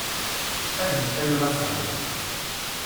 Ad yeqqim later-iw.